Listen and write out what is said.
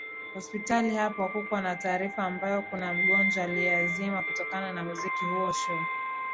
hospitali hapo hakukuwa na taarifa ambayo kuna mgonjwa aliezimia kutokana na muziki huo shoo